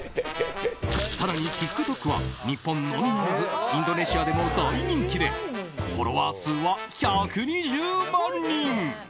更に、ＴｉｋＴｏｋは日本のみならずインドネシアでも大人気でフォロワー数は１２０万人！